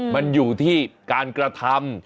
มันอยู่ที่การกระทำ